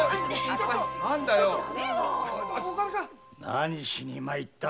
何しに参った。